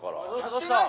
どうした？